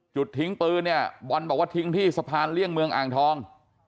จุดทิ้งปืนเนี่ยบอลบอกว่าทิ้งที่สะพานเลี่ยงเมืองอ่างทอง